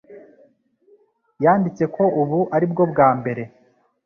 yanditse ko ubu, ari bwo bwa mbere